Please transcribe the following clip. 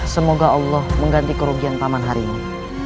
semoga allah mengganti kerugian taman hari ini